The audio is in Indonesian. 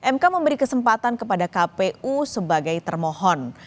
mk memberi kesempatan kepada kpu sebagai termohon